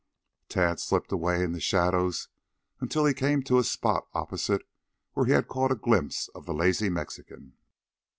Tad slipped away in the shadows until he came to a spot opposite where he had caught a glimpse of the lazy Mexican.